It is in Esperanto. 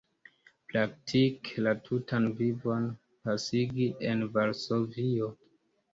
Praktike la tutan vivon pasigi en Varsovio.